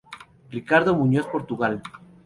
Ricardo Muñoz Portugal.